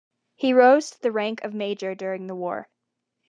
He rose to the rank of major during the war.